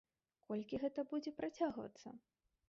Колькі гэта будзе працягвацца?